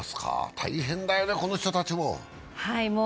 大変だよね、この人たちも。